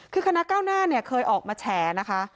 คือคณะก้าวหน้าเนี่ยเคยออกมาแฉนะคะ